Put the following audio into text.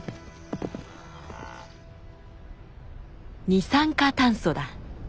二酸化炭素だ。